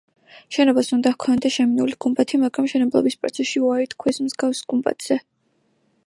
შენობას უნდა ჰქონოდა შემინული გუმბათი, მაგრამ მშენებლობის პროცესში უარი თქვეს მსგავს გუმბათზე.